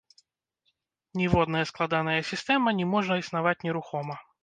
Ніводная складаная сістэма не можа існаваць нерухома.